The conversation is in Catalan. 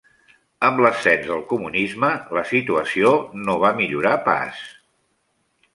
Amb l'ascens del comunisme, la situació no va millorar pas.